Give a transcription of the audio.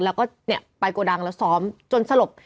แล้วก็ไปโกดังแล้วซ้อมจนสลบ